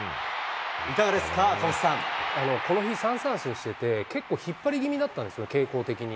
この日、３三振してて、結構、引っ張りぎみだったんですよ、傾向的に。